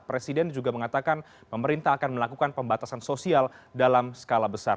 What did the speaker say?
presiden juga mengatakan pemerintah akan melakukan pembatasan sosial dalam skala besar